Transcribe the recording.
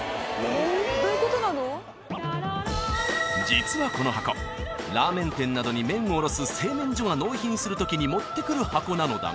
［実はこの箱ラーメン店などに麺を卸す製麺所が納品するときに持ってくる箱なのだが］